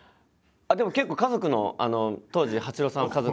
あっでも結構家族の当時八郎さんは家族いたんで。